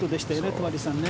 戸張さん。